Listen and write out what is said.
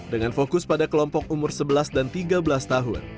dengan fokus pada kelompok umur sebelas dan tiga belas tahun